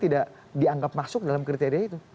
tidak dianggap masuk dalam kriteria itu